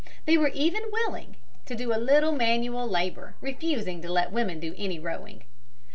They were even willing; to do a little manual labor, refusing to let women do any rowing.